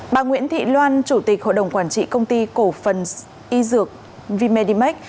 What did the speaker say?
bà nguyễn thị loan chủ tịch hội đồng quản trị công ty cổ phần y dược v medimax